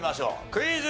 クイズ。